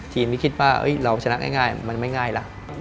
ทีมที่คิดว่าเราชนะง่ายมันไม่ง่ายล่ะ